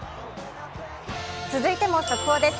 続いても速報です。